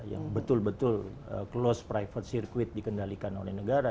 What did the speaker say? yang betul betul close private circuit dikendalikan oleh negara